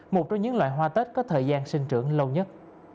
một trong những loại hoa tết có thời gian sinh trưởng lâu nhất